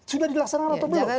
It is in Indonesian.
sudah dilaksanakan atau belum